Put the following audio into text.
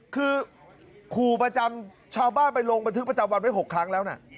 คือขู่ประจำชาวบ้านไปลงบันทึกประจำวันไว้๖ครั้งแล้วนะ